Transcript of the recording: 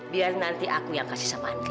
biar nanti aku yang kasih sama anda